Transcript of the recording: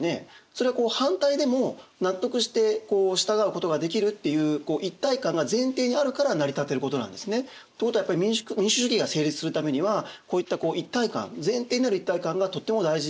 それは反対でも納得して従うことができるっていう一体感が前提にあるから成り立っていることなんですね。ということはやっぱり民主主義が成立するためにはこういった一体感前提になる一体感がとっても大事なことなんですね。